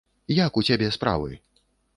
Як у цябе справы?